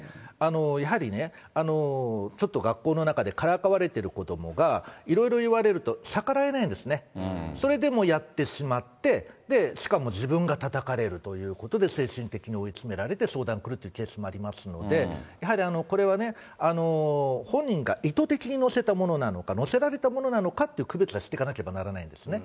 やはりね、ちょっと学校の中でからかわれてる子どもがいろいろ言われると、逆らえないんですね、それでもうやってしまって、で、しかも自分がたたかれるということで、精神的に追い詰められて相談に来るというケースもありますので、やはり、これはね、本人が意図的に載せたものなのか、載せられたものなのかって区別はしていかなければならないんですね。